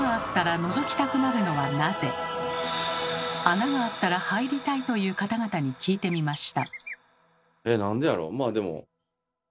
穴があったら入りたいという方々に聞いてみました。